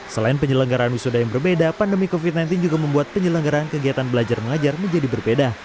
selain penyelenggaraan wisuda yang berbeda pandemi covid sembilan belas juga membuat penyelenggaraan kegiatan belajar mengajar menjadi berbeda